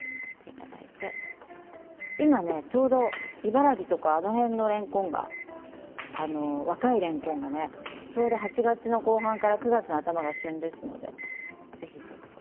今ね、ちょうど茨城とかあの辺のれんこんが、若いれんこんがちょうど８月の後半から９月の頭が旬ですのでぜひちょっと。